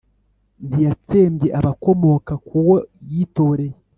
ntiyatsembye abakomoka ku uwo yitoreye,